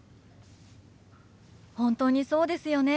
本当にそうですよね。